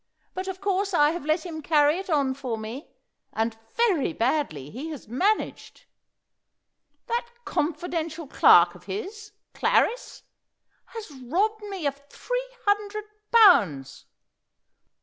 But of course I have let him carry it on for me, and very badly he has managed! That confidential clerk of his Clarris has robbed me of three hundred pounds!"